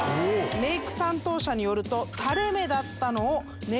メーク担当者によると。